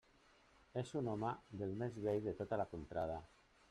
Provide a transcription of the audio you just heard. És un home dels més vells de tota la contrada.